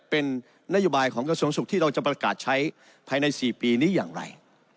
เป็นนโยบายของกระทรวงสุขที่เราจะประกาศใช้ภายใน๔ปีนี้อย่างไร